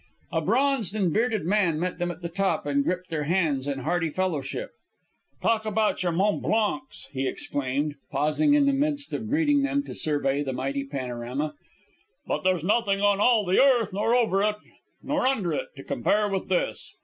A bronzed and bearded man met them at the top and gripped their hands in hearty fellowship. "Talk about your Mont Blancs!" he exclaimed, pausing in the midst of greeting them to survey the mighty panorama. "But there's nothing on all the earth, nor over it, nor under it, to compare with this!"